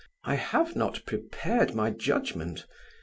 I have not prepared my judgment.